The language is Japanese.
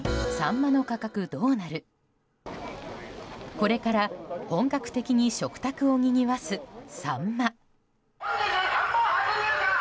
これから本格的に食卓をにぎわすサンマ。